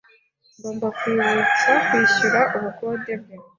Ngomba kwibutsa kwishyura ubukode bwe.